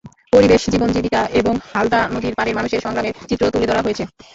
পরিবেশ, জীবন-জীবিকা এবং হালদা নদীর পাড়ের মানুষের সংগ্রামের চিত্র তুলে ধরা হয়েছে।